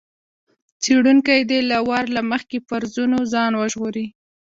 څېړونکی دې له وار له مخکې فرضونو ځان وژغوري.